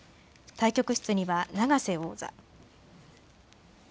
対局室には永瀬王座。